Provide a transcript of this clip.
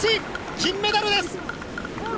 銀メダルです。